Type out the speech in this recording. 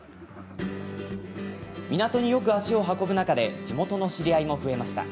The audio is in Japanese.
港によく足を運ぶ中で地元の知り合いも増えました。